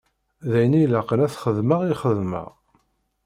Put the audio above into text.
D ayen i ilaqen ad t-xedmeɣ, i xedmeɣ.